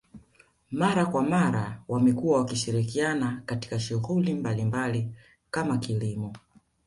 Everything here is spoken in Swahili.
Mara kwa mara wamekuwa wakishirikiana katika shughuli mbalimbali kama kilimo